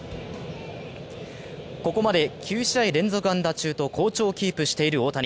ここまで９試合連続安打中と好調をキープしている大谷。